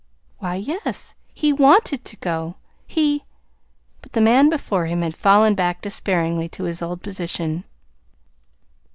"Why, yes; he WANTED to go. He " But the man before him had fallen back despairingly to his old position.